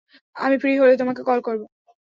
আমি ফ্রি হলে তোমাকে কল করব।